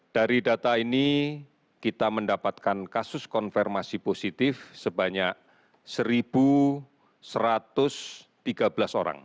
dari data ini kita mendapatkan kasus konfirmasi positif sebanyak satu satu ratus tiga belas orang